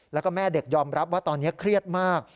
แล้วก็แม่เด็กยอมรับว่าตอนนี้เครียดมาก